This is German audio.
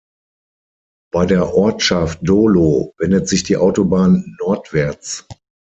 Bei der Ortschaft Dolo wendet sich die Autobahn nordwärts.